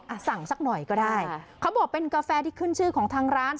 อ่ะสั่งสักหน่อยก็ได้ค่ะเขาบอกเป็นกาแฟที่ขึ้นชื่อของทางร้าน